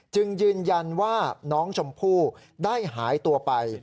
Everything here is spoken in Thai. จึงยืนยันว่าน้องชมพู่ได้หายตัวไป